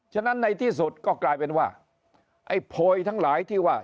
ฉะนั้นในที่สุดก็กลายเป็นว่าไอ้โพยทั้งหลายที่ว่า